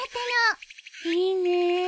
いいねえ。